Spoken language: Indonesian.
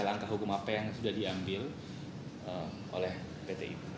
langkah hukum apa yang sudah diambil oleh pt ibu